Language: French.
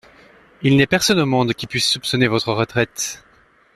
Il n’est personne au monde qui puisse soupçonner votre retraite.